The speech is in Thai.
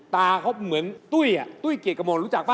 ตาเขาเหมือนตุ้ยอ่ะตุ้ยเกียร์กระโมงรู้จักป่ะ